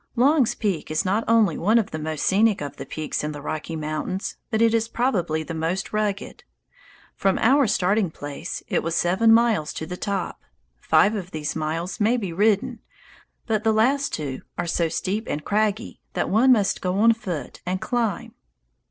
Long's Peak is not only one of the most scenic of the peaks in the Rocky Mountains, but it is probably the most rugged. From our starting place it was seven miles to the top; five of these miles may be ridden, but the last two are so steep and craggy that one must go on foot and climb.